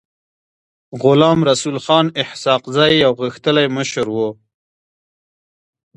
غلام رسول خان اسحق زی يو غښتلی مشر و.